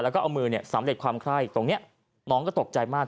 แล้วก็เอามือเนี่ยสำเร็จความไคร้ตรงนี้น้องก็ตกใจมาก